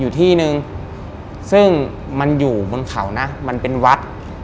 อยู่ที่นึงซึ่งมันอยู่บนเขานะมันเป็นวัด